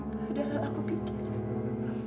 padahal aku pikir